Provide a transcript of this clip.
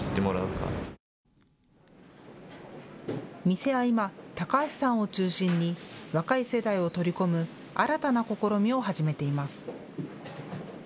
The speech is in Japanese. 店は今、高橋さんを中心に若い世代を取り込む新たな試みを始めています。